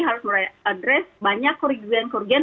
harus mulai address banyak kerugian kerugian